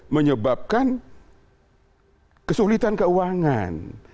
menyebabkan kesulitan keuangan